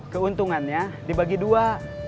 keuntungannya dibagi dua